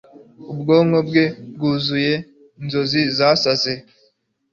ubwonko bwe bwuzuye inzozi zasaze